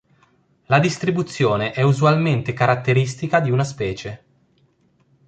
La distribuzione è usualmente caratteristica di una specie.